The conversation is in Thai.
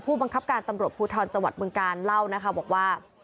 บังคับการตำรวจภูทรจังหวัดบึงการเล่านะคะบอกว่า